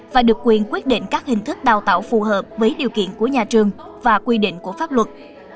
và được quyền quyết định các hình thức đào tạo phù hợp với điều kiện của nhà trường và quy định của pháp luật